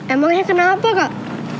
emangnya kenapa kak